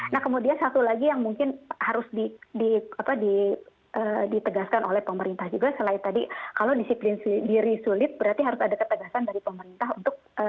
nah kemudian satu lagi yang mungkin harus ditegaskan oleh pemerintah juga selain tadi kalau disiplin sendiri sulit berarti harus ada ketegasan dari pemerintah untuk